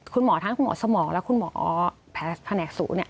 คุณหมอทั้งคุณหมอสมองและคุณหมอแผลแผนกสูง